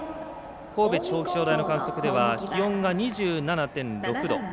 神戸地方気象台の観測では気温が２７．６度。